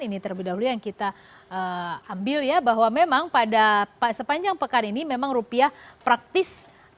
ini terlebih dahulu yang kita ambil ya bahwa memang pada sepanjang pekan ini memang rupiah praktis